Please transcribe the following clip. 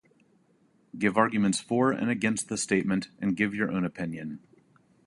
Give arguments for and against this statement and give your own opinion.